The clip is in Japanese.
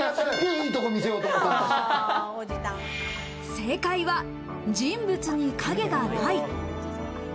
正解は、人物に影がない。